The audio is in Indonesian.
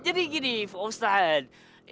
jadi gini pak ustadz